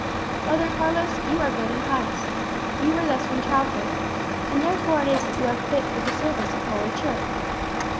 "Brother Carlos, you are good and pious. You were thus from childhood; and therefore it is that you are fit for the service of Holy Church.